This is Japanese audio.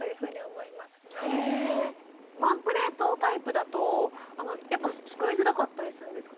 ワンプレートタイプだとやっぱすくいづらかったりするんですか。